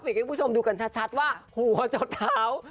ให้คุณผู้ชมดูกันชัดว่าหัวจดเท้า